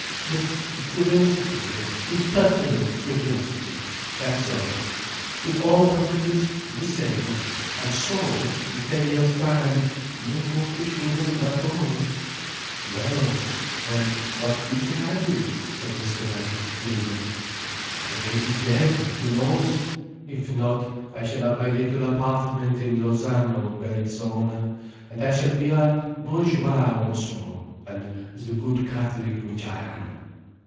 Just curiosity, impertinent curiosity. That's all. In all countries, the same. And so—in ten years' time—no more Kishwégin at all." "No. Then what future have you?" said Mr. May gloomily. "I may be dead—who knows. If not, I shall have my little apartment in Lausanne, or in Bellizona, and I shall be a bourgeoise once more, and the good Catholic which I am."